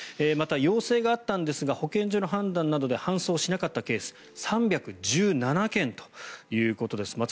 また、要請があったんですが保健所の判断などで搬送しなかったケース３１７件ということです。